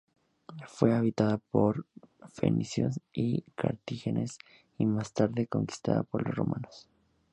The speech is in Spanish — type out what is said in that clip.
Fue habitada por fenicios y cartagineses, y más tarde conquistada por los romanos.